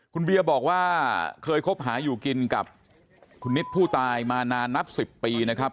คุณเบียบอกว่าเคยคบหาอยู่กินกับคุณนิดผู้ตายมานานนับ๑๐ปีนะครับ